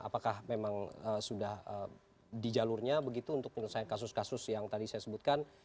apakah memang sudah di jalurnya begitu untuk penyelesaian kasus kasus yang tadi saya sebutkan